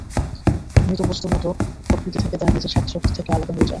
মৃত বস্তুর মতো, প্রকৃতি থেকে, তার নিজের শক্তি থেকে আলাদা হয়ে যায়।